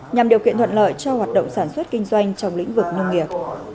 nhằm điều kiện thuận lợi cho hoạt động sản xuất kinh doanh trong lĩnh vực nông nghiệp